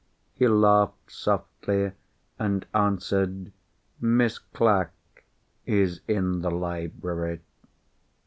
He laughed softly, and answered, "Miss Clack is in the library."